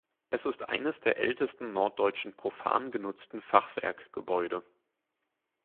Es ist eines der ältesten norddeutschen profan genutzten Fachwerkgebäude.